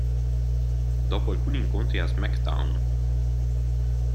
Dopo alcuni incontri a "SmackDown!